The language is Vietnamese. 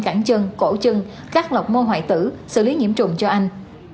cảng chân cổ chân khắc lọc mô hoại tử xử lý nhiễm trùng cho anh